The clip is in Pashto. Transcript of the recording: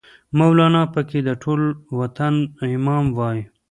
مولانا پکې د ټول وطن امام وای